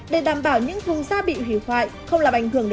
để đảm bảo những thùng da bị hủy hoại không làm ảnh hưởng